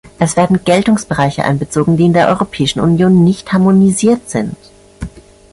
Es werden Geltungsbereiche einbezogen, die in der Europäischen Union nicht harmonisiert sind.